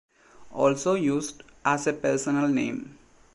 Also used as a personal name.